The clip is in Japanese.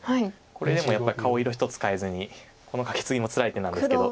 これでもやっぱり顔色一つ変えずにこのカケツギもつらい手なんですけど。